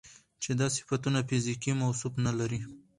چې دا صفتونه فزيکي موصوف نه لري